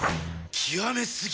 極め過ぎ！